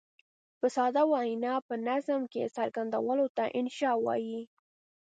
په ساده وینا په نظم کې څرګندولو ته انشأ وايي.